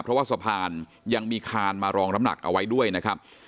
เพราะว่าสะพานยังมีคานมารองน้ำหนักเอาไว้ด้วยนะครับ